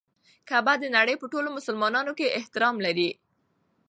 کعبه د نړۍ په ټولو مسلمانانو کې احترام لري.